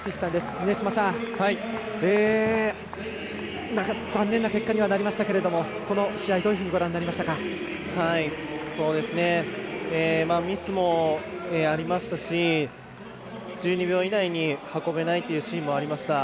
峰島さん、残念な結果にはなりましたけれどもこの試合、どういうふうにご覧になりましたか。ミスもありましたし１２秒以内に運べないというシーンもありました。